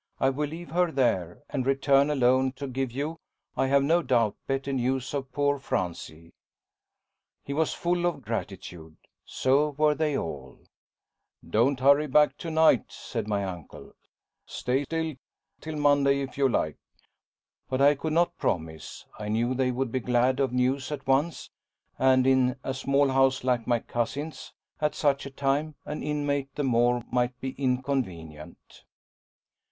I will leave her there, and return alone, to give you, I have no doubt, better news of poor Francie." He was full of gratitude. So were they all. "Don't hurry back to night," said my uncle. "Stay till till Monday if you like." But I could not promise. I knew they would be glad of news at once, and in a small house like my cousin's, at such a time, an inmate the more might be inconvenient.